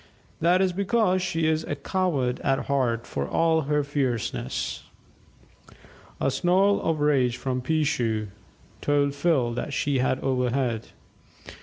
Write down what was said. That is because she is a coward at heart, for all her fierceness." A snarl of rage from "Peeshoo" told Phil that she had overheard.